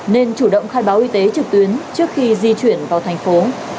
nên chủ động khai báo y tế trực tuyến trước khi di chuyển vào thành phố